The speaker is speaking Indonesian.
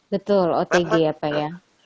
betul otg ya pak ya